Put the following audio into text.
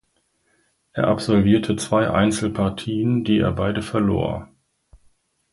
Er absolvierte zwei Einzelpartien, die er beide verlor.